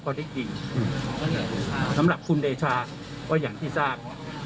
พอดีอีกสำหรับคุณเดชาว่าอย่างที่ทราบ